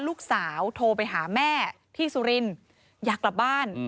ลูกสาวโทรไปหาแม่ที่สุรินทร์อยากกลับบ้าน